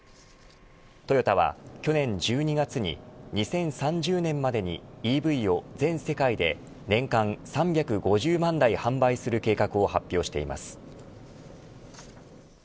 トヨタは去年１２月に２０３０年までにＥＶを全世界で年間３５０万台販売する計画を発表しています。